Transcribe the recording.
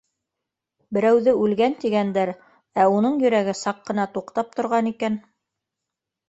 Берәүҙе үлгән, тигәндәр, ә уның йөрәге саҡ ҡына туҡтап торған икән.